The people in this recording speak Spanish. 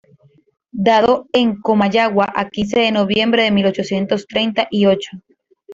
Dado en Comayagua a quince de noviembre de mil ochocientos treinta y ocho.